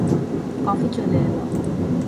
Coffee চলে এল।